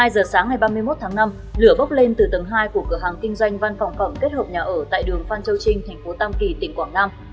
hai giờ sáng ngày ba mươi một tháng năm lửa bốc lên từ tầng hai của cửa hàng kinh doanh văn phòng phẩm kết hợp nhà ở tại đường phan châu trinh thành phố tam kỳ tỉnh quảng nam